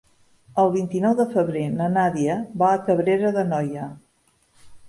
El vint-i-nou de febrer na Nàdia va a Cabrera d'Anoia.